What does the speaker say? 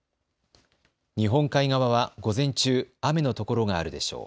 日本海側は午前中、雨の所があるでしょう。